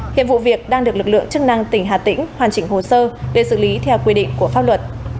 hiện vụ việc đang được lực lượng chức năng tỉnh hà tĩnh hoàn chỉnh hồ sơ để xử lý theo quy định của pháp luật